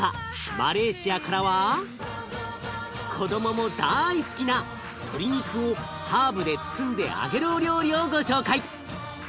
マレーシアからは子どもも大好きな鶏肉をハーブで包んで揚げるお料理をご紹介。